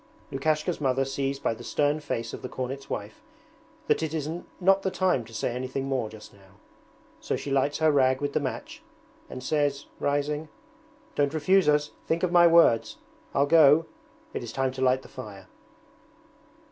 Lukashka's mother sees by the stern face of the cornet's wife that it is not the time to say anything more just now, so she lights her rag with the match and says, rising: 'Don't refuse us, think of my words. I'll go, it is time to light the fire.'